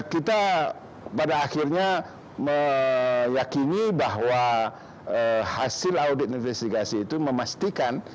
kita pada akhirnya meyakini bahwa hasil audit investigasi itu memastikan